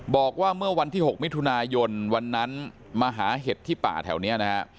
บอกว่าเมื่อวันที่๖มิถุนายนวันนั้นมาหาเห็ดที่ป่าแถวนี้นะฮะ